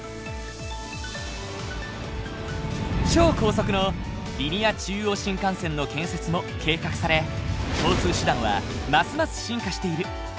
超高速のリニア中央新幹線の建設も計画され交通手段はますます進化している。